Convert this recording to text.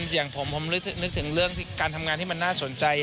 อย่างผมผมนึกถึงเรื่องการทำงานที่มันน่าสนใจ